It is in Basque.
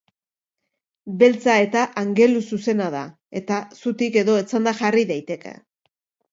Beltza eta angeluzuzena da, eta zutik edo etzanda jarri daiteke.